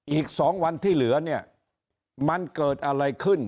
อีก๒วันที่เหลือเนี่ยมันเกิดอะไรขึ้น